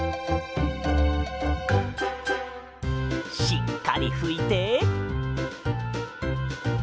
しっかりふいて。